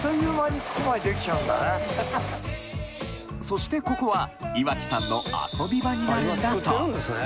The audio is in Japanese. そしてここは岩城さんの遊び場になるんだそう